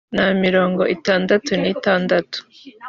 na mirongo itandatu n itandatu